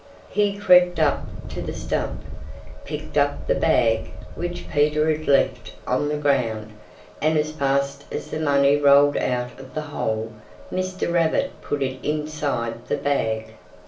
He crept up to the stump, picked up the bag, which Peter had left on the ground, and as fast as the money rolled out of the hole, Mr. Rabbit put it inside the bag.